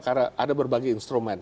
karena ada berbagai instrumen